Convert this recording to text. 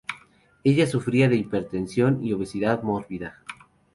Ella sufría de hipertensión y obesidad mórbida.